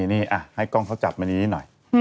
นี่ให้กล้องเขาจับมานี้หน่อย